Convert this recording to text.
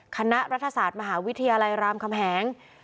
คณะรัฐศาสตร์มหาวิทยาลัยรามคำแหง